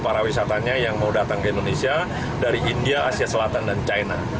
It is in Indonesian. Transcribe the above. para wisatanya yang mau datang ke indonesia dari india asia selatan dan china